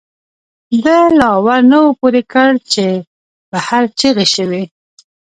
دَ لا ور نه وو پورې کړ، چې بهر چغې شوې